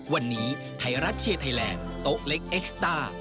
วันนี้ไทยรัฐเชียร์ไทยแลนด์โต๊ะเล็กเอ็กซ์ต้า